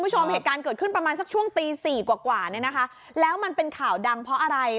เหตุการณ์เกิดขึ้นประมาณช่วงตี๔กว่าแล้วมันเป็นข่าวดังเพราะอะไร